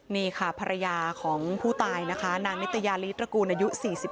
นี่ค่ะภรรยาของผู้ตายนะคะนางนิตยาลีตระกูลอายุ๔๒